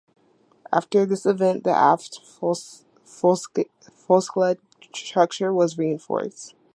After this event the aft fuselage structure was reinforced.